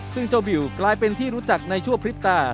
ซึ่งเจ้าบิวกลายเป็นที่รู้จักในชั่วพริบตา